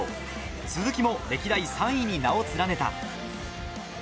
鈴木も歴代３位に名を連ねた。